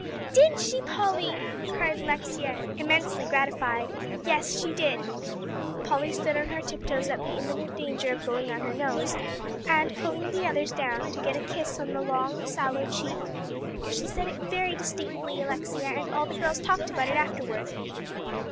"Did she, Polly?" cried Alexia, immensely gratified. "Yes, she did." Polly stood on her tiptoes at the imminent danger of going on her nose, and pulling the other's down, to get a kiss on the long sallow cheek. "She said it very distinctly, Alexia, and all the girls talked about it afterward."